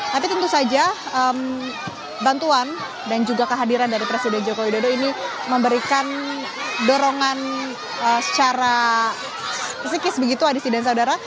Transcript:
tapi tentu saja bantuan dan juga kehadiran dari presiden joko widodo ini memberikan dorongan secara psikis begitu adisi dan saudara